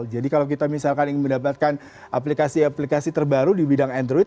jadi kalau kita misalkan ingin mendapatkan aplikasi aplikasi terbaru di bidang android